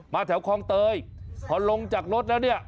แถวคลองเตยพอลงจากรถแล้วเนี่ย